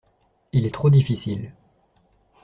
… il est trop difficile.